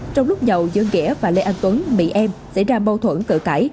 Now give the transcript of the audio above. trong lúc dậu giữa nghĩa và lê anh tuấn mị em xảy ra bâu thuẫn cự cải